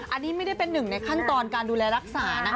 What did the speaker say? อันนี้ไม่ได้เป็นหนึ่งในขั้นตอนการดูแลรักษานะคะ